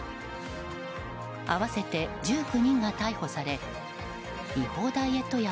合わせて１９人が逮捕され違法ダイエット薬